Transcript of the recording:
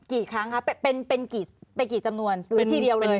กี่ครั้งคะเป็นกี่จำนวนหรือทีเดียวเลย